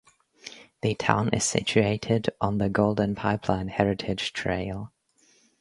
The town is situated on the Golden Pipeline heritage trail.